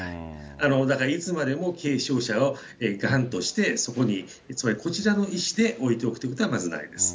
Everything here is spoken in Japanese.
だからいつまでも軽症者を頑として、そこにこちらの意思で置いておくということはまずないです。